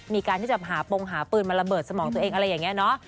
มีการที่จะหาปงหาปืนมาระเบิดสมองตัวเองอะไรอย่างนี้เนอะ